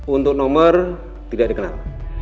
untuk nomor tidak dikenal